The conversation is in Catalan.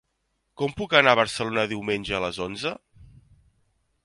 Com puc anar a Barcelona diumenge a les onze?